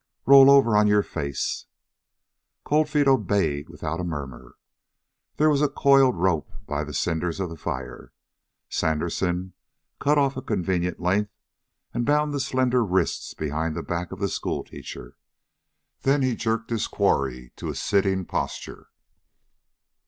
"Roll over on your face." Cold Feet obeyed without a murmur. There was a coiled rope by the cinders of the fire. Sandersen cut off a convenient length and bound the slender wrists behind the back of the schoolteacher. Then he jerked his quarry to a sitting posture.